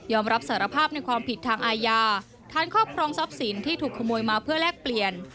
รับสารภาพในความผิดทางอาญาฐานครอบครองทรัพย์สินที่ถูกขโมยมาเพื่อแลกเปลี่ยน